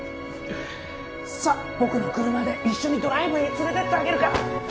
さっ僕の車で一緒にドライブへ連れてってあげるから。